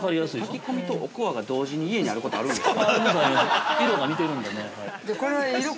◆炊き込みとおこわが同時に家にあること、あるんですか？